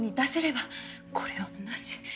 これはなし。